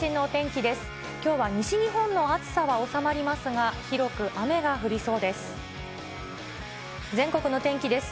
きょうは西日本の暑さは収まりますが、広く雨が降りそうです。